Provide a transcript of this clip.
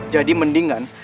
jadi mending kan